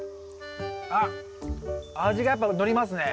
あっ味がやっぱのりますね。